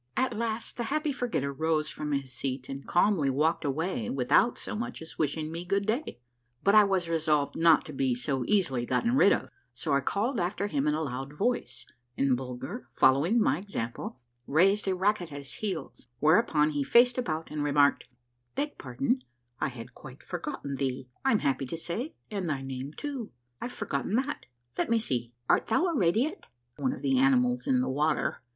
" At last the Happy Forgetter rose from his seat and calmly walked away, without so much as wishing me good day ; but I was resolved not to be so easily gotten rid of, so I called after him in a loud voice, and Bulger, following, my example, raised a racket at his heels, whereupon he faced about and remarked, —" Beg pardon, I had quite forgotten thee. I'm happy to say, and thy name too. I've forgotten that ; let me see. Art thou a radiate? " (One of the animals in tlie water.)